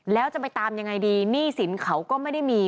แล้วจะไปตามยังไงดีหนี้สินเขาก็ไม่ได้มี